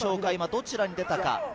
どちらに出たか？